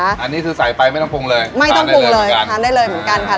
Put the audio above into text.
อันนี้คือใสไปไม่ต้องพรุงเลยทานได้เลยเหมือนกันไม่ต้องพรุงเลยทานได้เลยเหมือนกันค่ะ